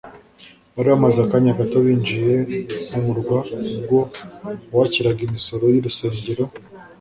Bari bamaze akanya gato binjiye mu murwa ubwo uwakiraga imisoro y'urusengero